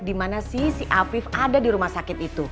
di mana si si afif ada di rumah sakit itu